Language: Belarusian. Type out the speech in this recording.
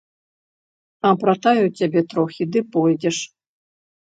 Апратаю цябе трохі ды пойдзеш.